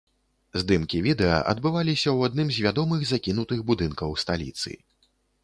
Здымкі відэа адбываліся ў адным з вядомых закінутых будынкаў сталіцы.